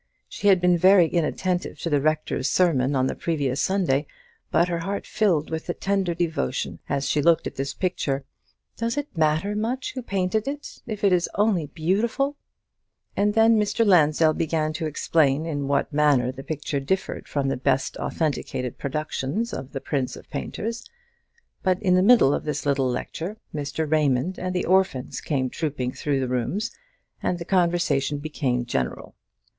She had been very inattentive to the Rector's sermon on the previous Sunday, but her heart filled with tender devotion as she looked at this picture. "Does it matter much who painted it, if it is only beautiful?" And then Mr. Lansdell began to explain in what manner the picture differed from the best authenticated productions of the prince of painters; but in the middle of his little lecture Mr. Raymond and the orphans came trooping through the rooms, and the conversation became general.